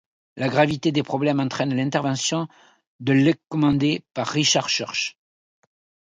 La gravité des problèmes entraîne l'intervention de l' commandée par Richard Church.